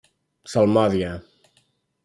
Salmòdia.